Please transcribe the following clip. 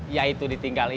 yaitu ditinggal istri